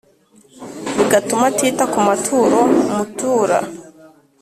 bigatuma atita ku maturo mutura